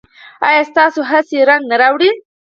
ایا ستاسو هڅې رنګ نه راوړي؟